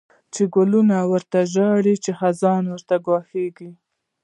چی ګلونه ړاته ژاړی، چی خزان راته ګواښيږی